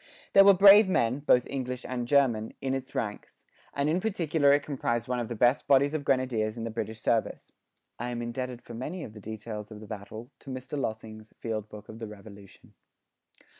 There were brave men, both English and German, in its ranks; and in particular it comprised one of the best bodies of grenadiers in the British service. [I am indebted for many of the details of the battle, to Mr Lossing's "Field book of the Revolution."